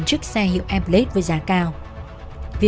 chiếc xe hiệu em lết với giá cao vì